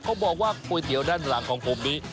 เขาบอกว่าก๋วยเตี๋ยวด้านหลังของผมนี้